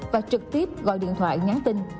và trực tiếp gọi điện thoại nhắn tin